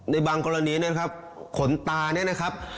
ในบางกรณีนะครับขนตาเนี่ยนะครับ